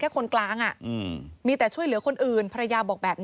ที่มันก็มีเรื่องที่ดิน